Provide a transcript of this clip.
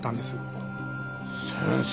先生